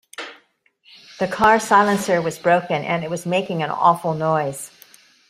The car’s silencer was broken, and it was making an awful noise